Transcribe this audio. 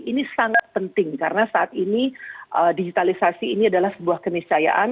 ini sangat penting karena saat ini digitalisasi ini adalah sebuah keniscayaan